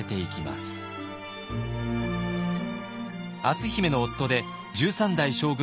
篤姫の夫で十三代将軍